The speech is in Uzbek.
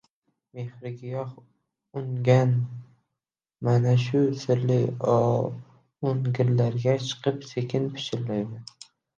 Mehrigiyoh ungan mana shu sirli oʻngirlarga chiqib, sekin pichirlayman: